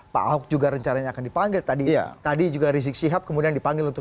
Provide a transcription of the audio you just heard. berhutang pak juga rencananya akan dipanggil tadi ya tadi juga rizik sihab kemudian dipanggil untuk